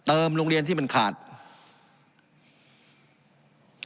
การปรับปรุงทางพื้นฐานสนามบิน